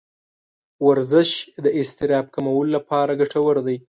ورزش د اضطراب کمولو لپاره ګټور دی.